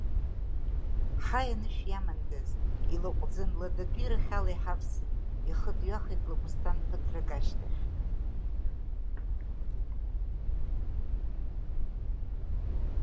Ҳаи, анышә иамандаз, илаҟәӡаны ладатәирахь ала иҳавсит, ихы дҩахеит Лагәсҭан ԥыҭрак ашьҭахь.